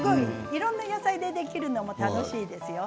いろんな野菜でできるのも楽しいですよ。